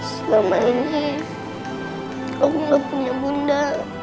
selama ini aku gak punya bunda